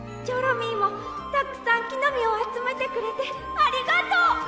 チョロミーもたくさんきのみをあつめてくれてありがとう！